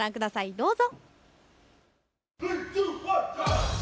どうぞ。